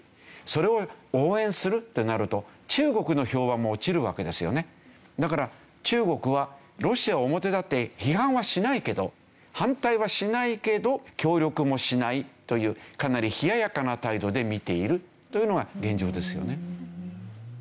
それを応援するってなるとだから中国はロシアを表立って批判はしないけど反対はしないけど協力もしないというかなり冷ややかな態度で見ているというのが現状ですよね。